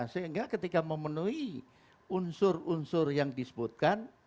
sehingga ketika memenuhi unsur unsur yang disebutkan